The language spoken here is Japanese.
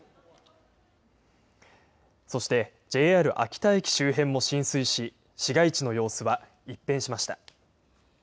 そしてＪＲ秋田駅周辺も浸水し市街地の様子は一変しました。